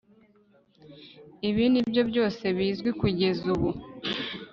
Ibi nibyo byose bizwi kugeza ubu